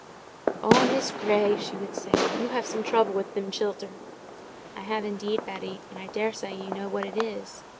"Oh, Miss Grey!" she would say, "you have some trouble with them childer!" "I have, indeed, Betty; and I daresay you know what it is."